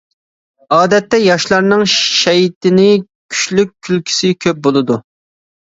ئادەتتە ياشلارنىڭ شەيتىنى كۈچلۈك، كۈلكىسى كۆپ بولىدۇ.